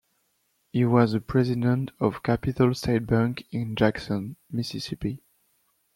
He was a President of Capital State Bank in Jackson, Mississippi.